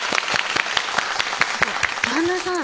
旦那さん